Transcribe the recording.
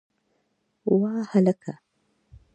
وه هلکه!